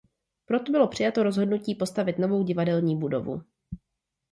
Proto bylo přijato rozhodnutí postavit novou divadelní budovu.